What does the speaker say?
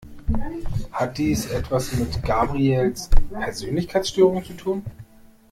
Hat dies etwas mit Gabrieles Persönlichkeitsstörung zu tun?